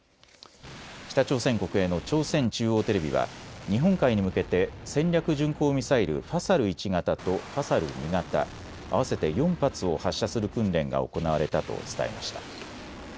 北朝鮮国営の朝鮮中央テレビは日本海に向けて戦略巡航ミサイルファサル１型とファサル２型合わせて４発を発射する訓練が行われたと伝えました。